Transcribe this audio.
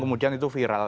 kemudian itu viral